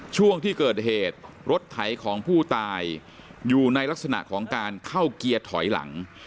ช่วงที่เกิดเหตุรถไถของผู้ตายอยู่ในลักษณะของการเข้าเกียร์ถอยหลัง